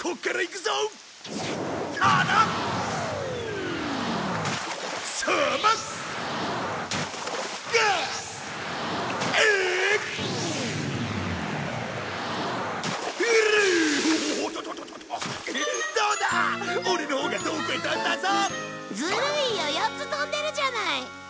４つ跳んでるじゃない！